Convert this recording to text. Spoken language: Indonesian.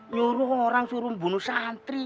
lalu orang suruh membunuh santri